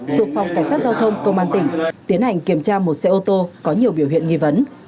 thuộc phòng cảnh sát giao thông công an tỉnh tiến hành kiểm tra một xe ô tô có nhiều biểu hiện nghi vấn